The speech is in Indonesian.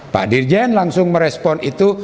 pak dirjen langsung merespon itu